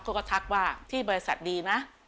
เขาก็ทักว่าที่บริษัทดีนะ